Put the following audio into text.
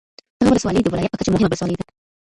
دغه ولسوالي د ولایت په کچه مهمه ولسوالي ده